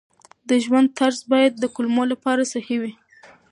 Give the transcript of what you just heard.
د ژوند طرز باید د کولمو لپاره صحي وي.